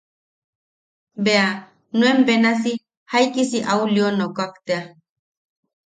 Bea nuen benasi jaikisi au lionokak tea.